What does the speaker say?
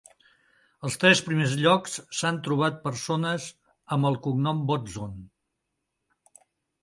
En els tres primers llocs s'han trobat persones amb el cognom Botzon.